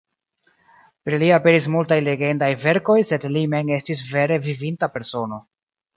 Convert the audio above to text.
Pri li aperis multaj legendaj verkoj, sed li mem estis vere vivinta persono.